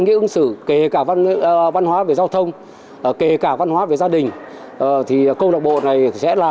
nghĩa ứng xử kể cả văn hóa về giao thông kể cả văn hóa về gia đình thì câu lạc bộ này sẽ là